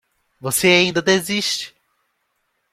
Você ainda desiste